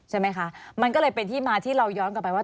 ใช่ไหมคะมันก็เลยเป็นที่มาที่เราย้อนกลับไปว่า